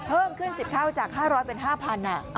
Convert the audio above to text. เพิ่มขึ้น๑๐เท่าจาก๕๐๐เป็น๕๐๐บาท